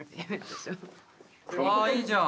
ああいいじゃん。